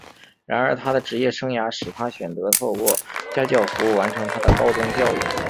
然而他的职业生涯使他选择透过家教服务完成他的高中教育。